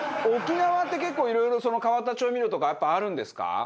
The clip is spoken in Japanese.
沖縄って、結構、いろいろ変わった調味料とかやっぱ、あるんですか？